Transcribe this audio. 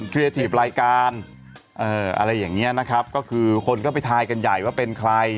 เคลียร์ทีฟรายการอะไรอย่างนี้นะครับก็คือคนก็ไปทายกันใหญ่ว่าเป็นใคร